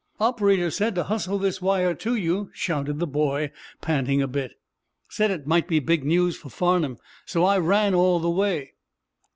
"Operator said to hustle this wire to you," shouted the boy, panting a bit. "Said it might be big news for Farnum. So I ran all the way."